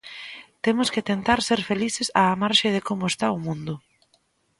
Temos que tentar ser felices, á marxe de como está o mundo.